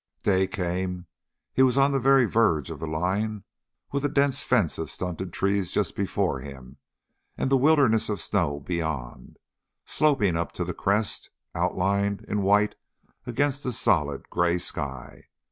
Day came. He was on the very verge of the line with a dense fence of stunted trees just before him and the wilderness of snow beyond, sloping up to the crest, outlined in white against the solid gray sky.